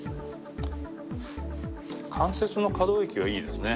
関節の可動域はいいですね。